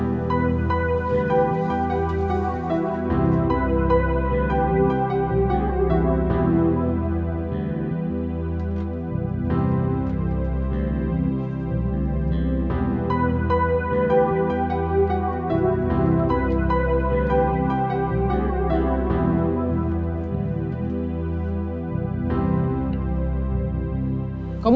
jadi tadinya materia ini akan mati